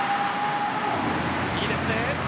いいですね。